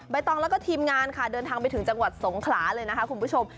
ตองแล้วก็ทีมงานค่ะเดินทางไปถึงจังหวัดสงขลาเลยนะคะคุณผู้ชม